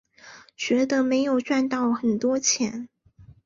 觉得没有赚到很多钱